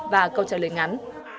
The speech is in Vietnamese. và câu trả lời ngắn